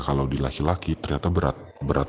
kalau di laki laki ternyata berat berat